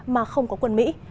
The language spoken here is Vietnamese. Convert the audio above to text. mà không có quân mỹ